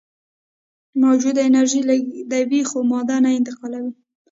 موجونه انرژي لیږدوي خو ماده نه انتقالوي.